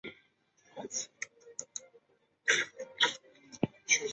警方邀请美国联邦调查局刑事调查专家麦克纳马拉对徐步高的人格作心理评估。